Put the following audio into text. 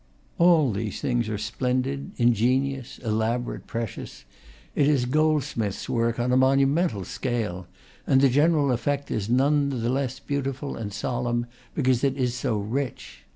All these things are splendid, ingenious, elaborate, precious; it is goldsmith's work on a monumental scale, and the general effect is none the less beautiful and solemn because it is so rich.